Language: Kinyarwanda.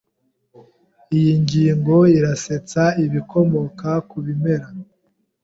Iyi ngingo irasetsa ibikomoka ku bimera.